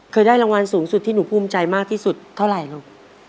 เคยได้รางวัลสูงสุดที่หนูภูมิใจมากที่สุดเท่าไหร่ลูก